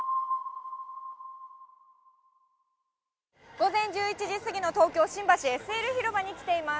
午前１１時過ぎの東京・新橋のＳＬ広場に来ています。